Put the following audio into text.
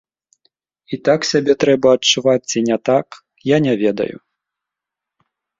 І так сябе трэба адчуваць ці не так, я не ведаю.